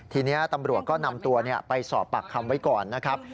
ทีนี้ตำรวจก็นำตัวไปสอบปากคำไว้ก่อนนะครับ